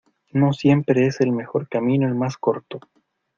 No siempre es el mejor camino el más corto.